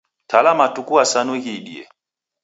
Tala matuku asanu ghiidie